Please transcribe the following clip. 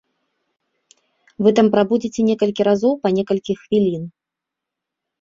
Вы там прабудзеце некалькі разоў па некалькі хвілін.